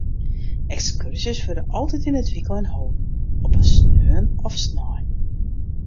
Ekskurzjes wurde altyd yn it wykein holden, op in sneon of snein.